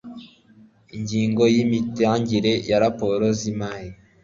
ingingo ya imitangire ya raporo z imari